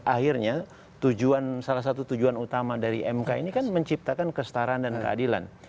akhirnya salah satu tujuan utama dari mk ini kan menciptakan kestaraan dan keadilan